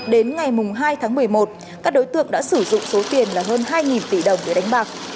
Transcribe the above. đến ngày hai tháng một mươi một các đối tượng đã sử dụng số tiền là hơn hai tỷ đồng để đánh bạc